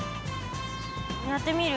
やってみる？